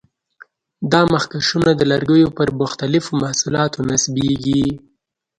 دا مخکشونه د لرګیو پر مختلفو محصولاتو نصبېږي.